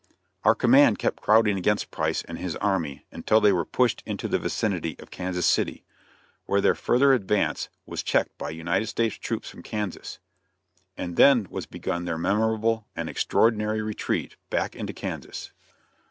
Our command kept crowding against Price and his army until they were pushed into the vicinity of Kansas City, where their further advance was checked by United States troops from Kansas; and then was begun their memorable and extraordinary retreat back into Kansas.